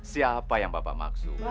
siapa yang pak maksud